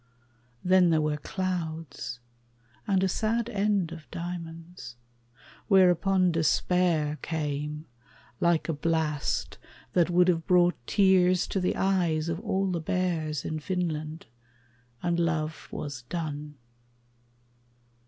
Then there were clouds, And a sad end of diamonds; whereupon Despair came, like a blast that would have brought Tears to the eyes of all the bears in Finland, And love was done.